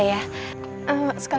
eee sekali lagi makasih ya mas